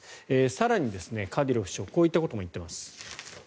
更に、カディロフ首長はこういったことも言っています。